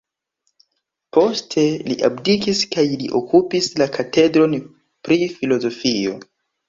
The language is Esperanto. Poste li abdikis kaj li okupis la katedron pri filozofio.